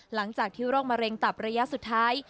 หลังจากที่โรคมะเร็งตับระยะสุดท้าย